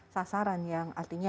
sasaran yang artinya